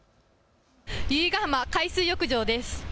由比ガ浜海水浴場です。